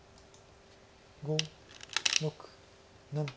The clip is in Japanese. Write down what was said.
５６７。